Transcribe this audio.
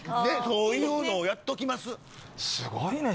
そういうのをやっときます。